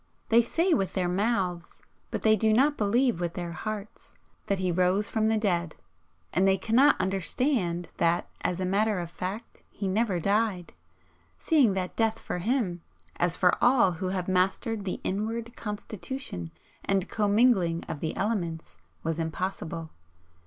They say with their mouths, but they do not believe with their hearts, that He rose from the dead, and they cannot understand that, as a matter of fact, He never died, seeing that death for Him (as for all who have mastered the inward constitution and commingling of the elements) was impossible.